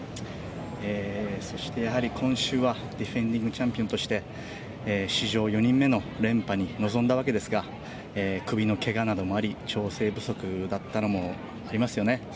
そして今週はディフェンディングチャンピオンとして、史上４人目の連覇に臨んだわけですが、首のけがなどもあり、調整不足だったのもありますよね。